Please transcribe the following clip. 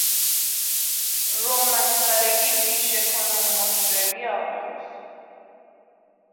رو مسخرگی پیشه کن و مطربی آموز